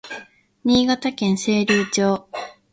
新潟県聖籠町